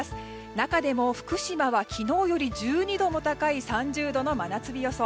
中でも福島は昨日より１２度高い３０度の真夏日予想。